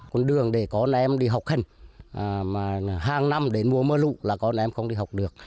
con đường để có em đi học hành mà hàng năm đến mùa mưa lũ là con em không đi học được